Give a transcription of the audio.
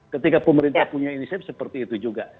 ketika pemerintah punya inisiatif seperti itu juga